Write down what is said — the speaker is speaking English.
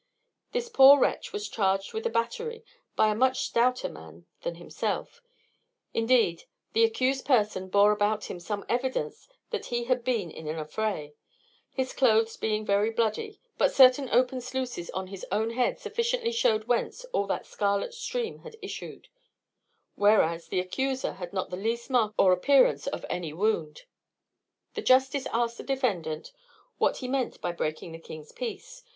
This poor wretch was charged with a battery by a much stouter man than himself; indeed the accused person bore about him some evidence that he had been in an affray, his cloaths being very bloody, but certain open sluices on his own head sufficiently shewed whence all the scarlet stream had issued: whereas the accuser had not the least mark or appearance of any wound. The justice asked the defendant, What he meant by breaking the king's peace?